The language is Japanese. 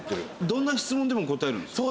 どんな質問でも答えるんですか？